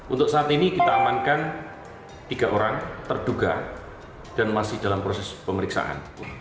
untuk saat ini kita amankan tiga orang terduga dan masih dalam proses pemeriksaan